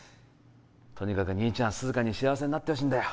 とにかく兄ちゃん涼香に幸せになってほしいんだよ